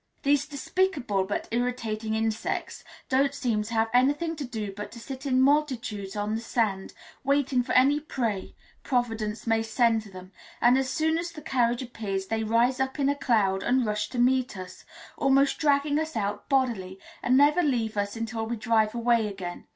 These despicable but irritating insects don't seem to have anything to do but to sit in multitudes on the sand, waiting for any prey Providence may send them; and as soon as the carriage appears they rise up in a cloud, and rush to meet us, almost dragging us out bodily, and never leave us until we drive away again.